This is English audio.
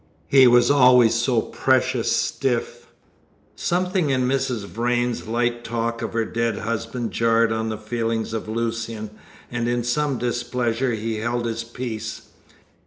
He was always so precious stiff!" Something in Mrs. Vrain's light talk of her dead husband jarred on the feelings of Lucian, and in some displeasure he held his peace.